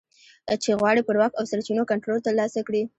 چې غواړي پر واک او سرچینو کنټرول ترلاسه کړي